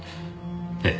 ええ。